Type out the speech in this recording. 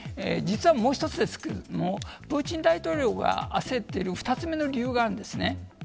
実はもう一つ、プーチン大統領が焦っている２つ目の理由があるんですね。